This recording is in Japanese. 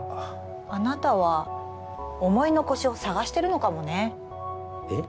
あなたは思い残しを捜してるのかもねえっ？